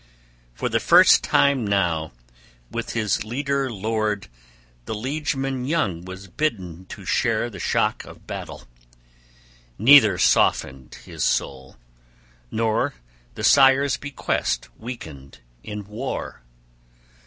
For the first time now with his leader lord the liegeman young was bidden to share the shock of battle. Neither softened his soul, nor the sire's bequest weakened in war.